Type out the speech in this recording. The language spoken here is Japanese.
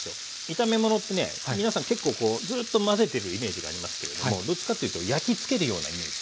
炒め物ってね皆さん結構こうずっと混ぜてるイメージがありますけれどもどっちかというと焼きつけるようなイメージ。